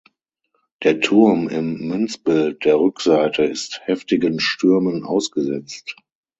Der Turm im Münzbild der Rückseite ist heftigen Stürmen ausgesetzt.